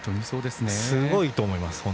すごいと思います。